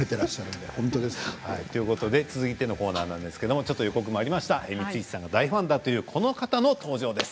続いてのコーナーなんですが予告もありました、光石さんが大ファンだというこの方の登場です。